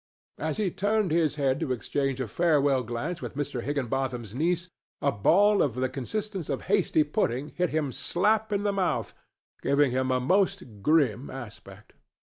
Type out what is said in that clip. As he turned his head to exchange a farewell glance with Mr. Higginbotham's niece a ball of the consistence of hasty pudding hit him slap in the mouth, giving him a most grim aspect.